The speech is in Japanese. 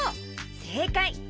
せいかい！